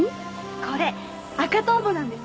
これ赤トンボなんです。